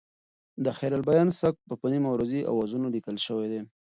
د خیرالبیان سبک په نیم عروضي اوزانو لیکل شوی دی.